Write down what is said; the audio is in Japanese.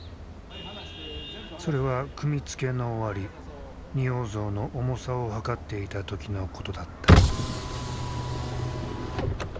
それは組み付けの終わり仁王像の重さを量っていた時のことだった。